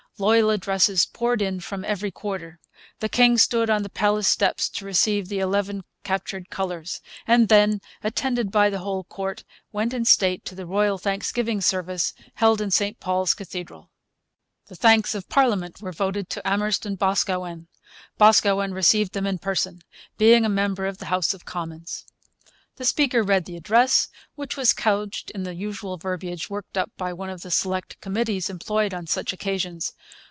Loyal addresses poured in from every quarter. The king stood on the palace steps to receive the eleven captured colours; and then, attended by the whole court, went in state to the royal thanksgiving service held in St Paul's Cathedral. The thanks of parliament were voted to Amherst and Boscawen. Boscawen received them in person, being a member of the House of Commons. The speaker read the address, which was couched in the usual verbiage worked up by one of the select committees employed on such occasions.